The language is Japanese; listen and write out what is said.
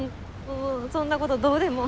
もうそんなことどうでも。